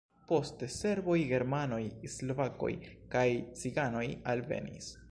Poste serboj, germanoj, slovakoj kaj ciganoj alvenis.